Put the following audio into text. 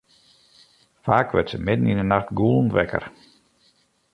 Faak wurdt se midden yn 'e nacht gûlend wekker.